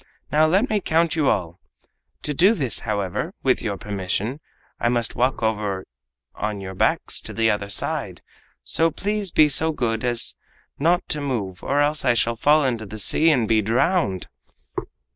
Now let me count you all! To do this, however, with your permission, I must walk over on your backs to the other side, so please be so good as not to move, or else I shall fall into the sea and be drowned!"